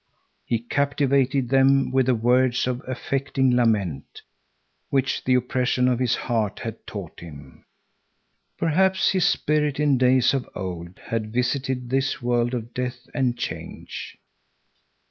He captivated them with the words of affecting lament, which the oppression of his heart had taught him. Perhaps his spirit in days of old had visited this world of death and change.